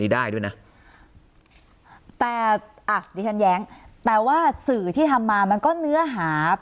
ได้ด้วยนะแต่อ่ะดิฉันแย้งแต่ว่าสื่อที่ทำมามันก็เนื้อหา